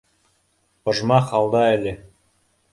— Ожмах алда әле